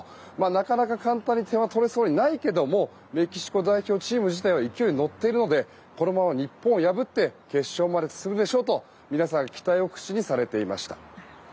なかなか簡単に点は取れそうにないけれどもメキシコ代表チーム自体は勢いに乗っているのでこのまま日本を破って決勝まで進むでしょうと皆さん期待を口にされていました。